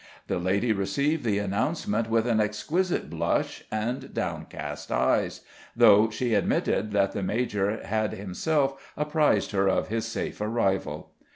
The lady received the announcement with an exquisite blush and downcast eyes, though she admitted that the major had himself apprised her of his safe arrival.